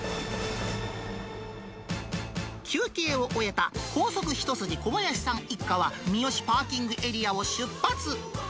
休憩を終えた高速一筋、小林さん一家は、三芳パーキングエリアを出発。